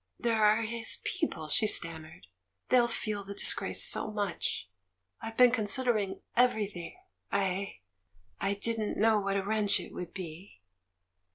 "There are his people," she stammered; "they'll feel the disgrace so much. I've been considering everything — I — I didn't know what a wrench it would be."